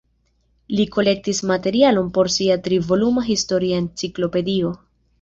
Li kolektis materialon por sia tri voluma historia enciklopedio.